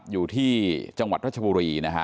อยู่ที่จังหวัดรัจจบุรี